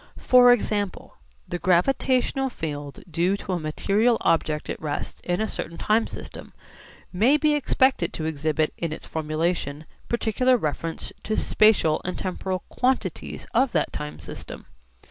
For example the gravitational field due to a material object at rest in a certain time system may be expected to exhibit in its formulation particular reference to spatial and temporal quantities of that time system.